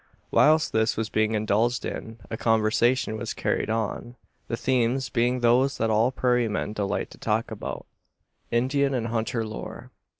While this was being indulged in, a conversation was carried on; the themes being those that all prairie men delight to talk about: Indian and hunter lore.